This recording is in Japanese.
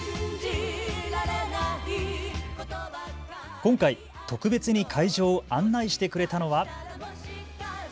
今回、特別に会場を案内してくれたのは。